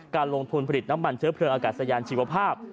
การลงทุนผลิตน้ำมันเชื้อเพลิงอากาศยานชีวภาพ